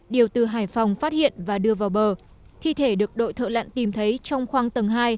điều từ hải phòng phát hiện và đưa vào bờ thi thể được đội thợ lặn tìm thấy trong khoang tầng hai